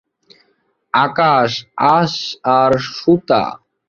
আকাশ, আস আর সুতা!